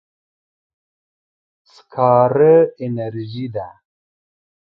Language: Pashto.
سکاره انرژي ده.